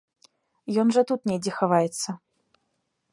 Ён жа тут недзе хаваецца.